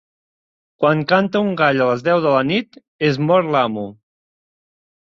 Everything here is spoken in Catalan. Quan canta un gall a les deu de la nit, es mor l'amo.